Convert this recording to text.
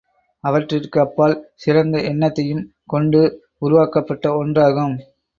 அவற்றிற்கு அப்பால் சிறந்த எண்ணத்தையும் கொண்டு உருவாக்கப்பட்ட ஒன்றாகும்.